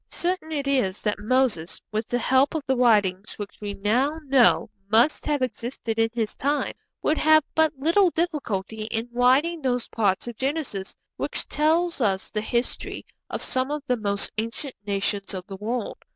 Certain it is that Moses, with the help of the writings which we now know must have existed in his time, would have but little difficulty in writing those parts of Genesis which tell us the history of some of the most ancient nations of the world.